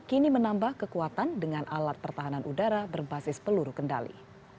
kini menambah kekuatan dengan alat pertahanan udara berbasis peluru kendali